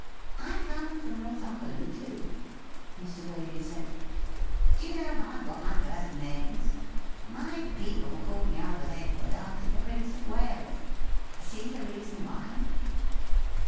' I come from Northumberland too,' Mr. Waley said. ' Do you know how I got my first names ? My people called me Albert Edward after the Prince of Wales. See the reason why